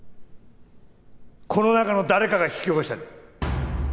この中の誰かが引き起こしたんだ！